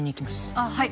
あっはい。